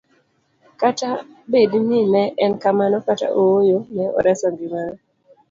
Kata bed ni ne en kamano kata ooyo, ne oreso ngimane